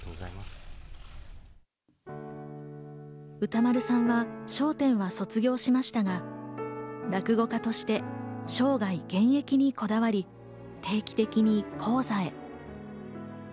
歌丸さんは『笑点』は卒業しましたが、落語家として生涯現役でこだわり、定期的に高座へ。